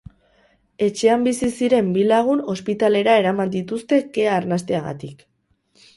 Etxean bizi ziren bi lagun ospitalera eraman dituzte kea arnasteagatik.